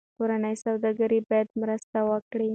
کورني سوداګر باید مرسته وکړي.